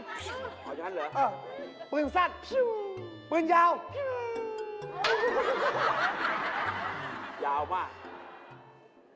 ตรงกลาง๑๐๐คน